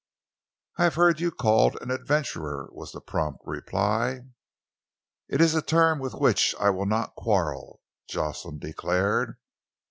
"I have heard you called an adventurer," was the prompt reply. "It is a term with which I will not quarrel," Jocelyn declared.